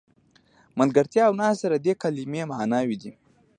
ملګرتیا او ناسته د دې کلمې معناوې دي.